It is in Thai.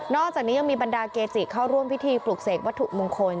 อกจากนี้ยังมีบรรดาเกจิเข้าร่วมพิธีปลุกเสกวัตถุมงคล